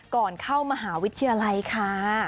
ก่อนเข้ามหาวิทยาลัยค่ะ